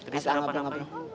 jadi sarapan apa